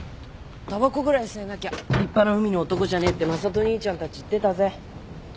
たばこぐらい吸えなきゃ立派な海の男じゃねえって真人にいちゃんたち言ってたぜ。